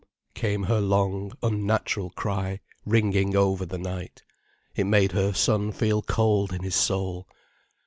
came her long, unnatural cry, ringing over the night. It made her son feel cold in his soul.